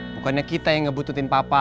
bukannya kita yang ngebututin papa